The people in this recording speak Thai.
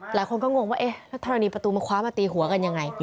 หลายคนก็งงว่าเอ๊ะแล้วธรณีประตูมันคว้ามาตีหัวกันยังไง